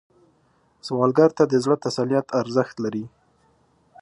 سوالګر ته د زړه تسلیت ارزښت لري